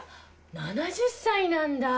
７０歳なんだ！